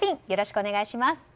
よろしくお願いします！